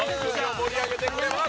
盛り上げてくれます。